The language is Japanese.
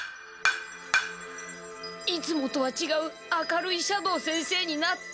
いつもとはちがう明るい斜堂先生になって。